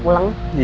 kamu udah pulang